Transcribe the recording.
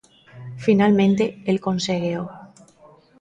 Finalmente el conségueo...